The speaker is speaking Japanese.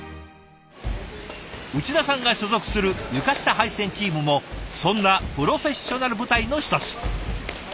内田さんが所属する床下配線チームもそんなプロフェッショナル部隊の一つ。